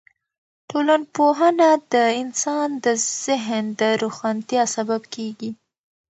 ټولنپوهنه د انسان د ذهن د روښانتیا سبب کیږي.